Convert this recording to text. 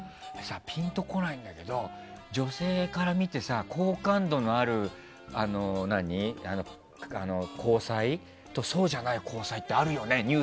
ピンとこないんだけど女性から見て好感度のある交際とそうじゃない交際ってあるよね